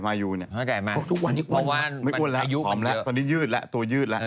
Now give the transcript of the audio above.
เพราะว่าอายุมันเยอะไม่อ้วนแล้วตอนนี้ยืดแล้วตัวยืดแล้ว